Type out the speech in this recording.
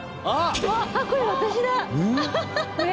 あっ！